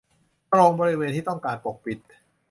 ตรงบริเวณที่ต้องการปกปิด